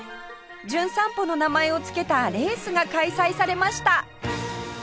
『じゅん散歩』の名前をつけたレースが開催されました